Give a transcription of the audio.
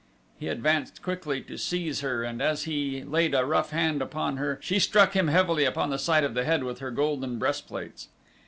He advanced quickly to seize her and as he laid a rough hand upon her she struck him heavily upon the side of his head with her golden breastplates.